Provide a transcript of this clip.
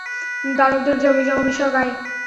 দানবদের জমিজমা বিষয়ক আইন?